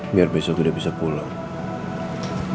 biar besok tidak bisa pulang